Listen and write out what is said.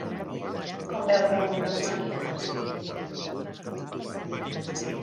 Com veu Ramon les màquines?